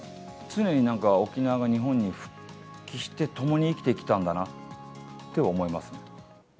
常に沖縄が日本に復帰して、共に生きてきたんだなって思いま